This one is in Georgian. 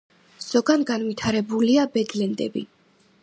ზოგან განვითარებულია ბედლენდები.